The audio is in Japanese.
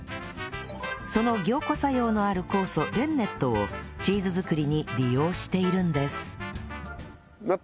その凝固作用のある酵素レンネットをチーズ作りに利用しているんです